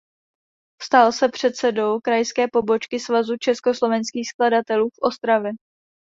Stal se předsedou "Krajské pobočky Svazu československých skladatelů" v Ostravě.